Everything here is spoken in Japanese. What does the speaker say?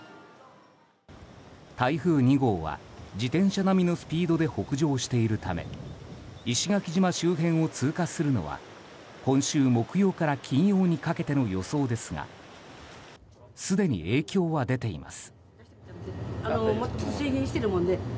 台風２号は自転車並みのスピードで北上しているため石垣島周辺を通過するのは今週木曜から金曜にかけての予想ですがすでに影響は出ています。